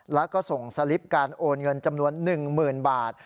แล้วก็ส่งสลิปการโอนเงินจำนวน๑๐๐๐บาท